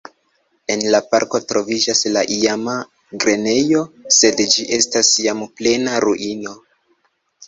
En la parko troviĝas la iama grenejo, sed ĝi estas jam plena ruino.